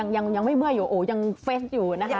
ยังไม่เมื่อยอยู่โอ้ยังเฟสอยู่นะคะ